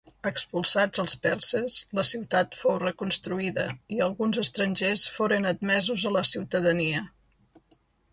Expulsats els perses, la ciutat fou reconstruïda i alguns estrangers foren admesos a la ciutadania.